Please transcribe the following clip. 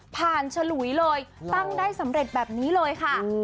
ฉลุยเลยตั้งได้สำเร็จแบบนี้เลยค่ะ